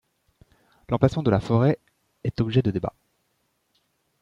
L'emplacement de la forêt est objet de débat.